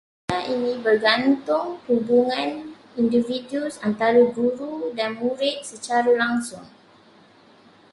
Kaedah ini bergantung hubungan individu antara guru dan murid secara langsung